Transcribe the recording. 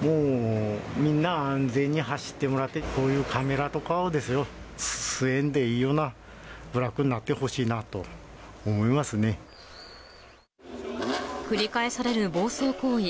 もうみんな安全に走ってもらって、こういうカメラとかを据えんでいいような部落になってほしいなと繰り返される暴走行為。